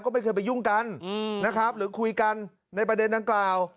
ก็ไม่เคยไปยุ่งกันนะครับหรือคุยกันในประเด็นดังกล่าว